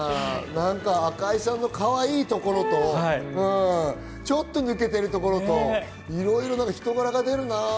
なんか赤井さんのかわいいところとちょっと抜けてるところと、いろいろ人柄が出るな。